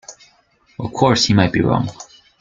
Of course he might be wrong.